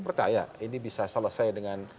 percaya ini bisa selesai dengan